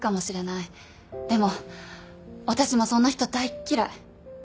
でも私もそんな人大っ嫌い！